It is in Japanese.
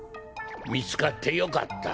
みつかってよかった。